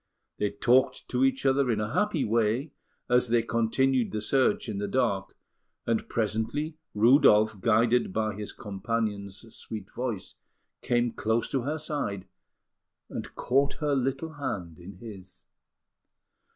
They talked to each other in a happy way as they continued the search in the dark; and presently, Rudolf, guided by his companion's sweet voice, came close to her side, and caught her little hand in his.